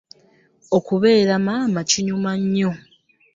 Okubeera mama kinyuma nyo.